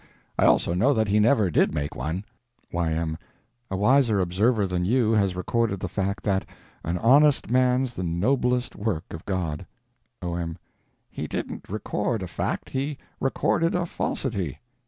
I also know that He never did make one. Y.M. A wiser observer than you has recorded the fact that "an honest man's the noblest work of God." O.M. He didn't record a fact, he recorded a falsity.